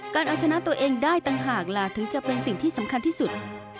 การเอาชนะตัวเองได้ต่างหากล่ะถึงจะเป็นสิ่งที่สำคัญที่สุด